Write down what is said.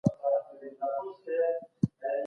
سفیران څنګه نړیوال قانون عملي کوي؟